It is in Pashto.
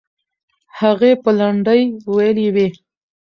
هغې به لنډۍ ویلې وي.